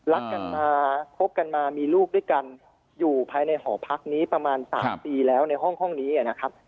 รักกันมาคบกันมามีลูกด้วยกันอยู่ภายในหอพักนี้ประมาณ๓ปีแล้วในห้องนี้นะครับ